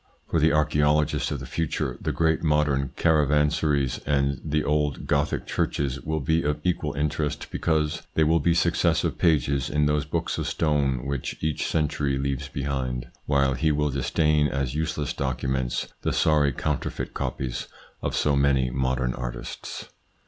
For the archaeologist of the future the great modern caravansaries and the old Gothic churches will be of equal interest because they will be successive pages in those books of stone which each century leaves behind it, while he will disdain as useless documents the sorry counterfeit copies of so many modern artists.